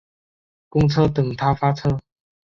公车等他发车